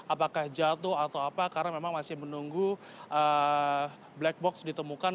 apakah jatuh atau apa karena memang masih menunggu black box ditemukan